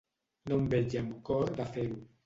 No em veig amb cor de fer-ho.